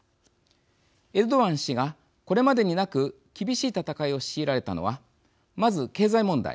エルドアン氏がこれまでになく厳しい戦いを強いられたのはまず、経済問題